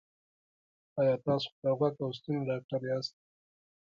ایا تاسو د غوږ او ستوني ډاکټر یاست؟